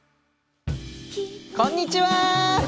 こんにちは。